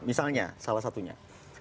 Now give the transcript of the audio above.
misalnya salah satunya